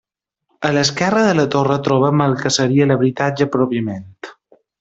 A l’esquerra de la torre trobem el que seria l’habitatge pròpiament.